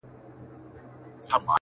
لا ویده پښتون له ځانه بېخبر دی؛